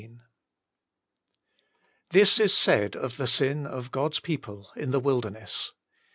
THIS is said of the sin of God's people in the wilderness.